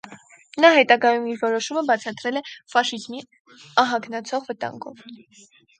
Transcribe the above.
Նա հետագայում իր որոշումը բացատրել է ֆաշիզմի ահագնացող վտանգով։